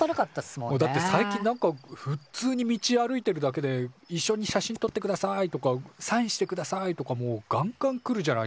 もうだって最近なんかふつうに道歩いてるだけで「いっしょに写真とってください」とか「サインしてください」とかもうガンガン来るじゃないっすか。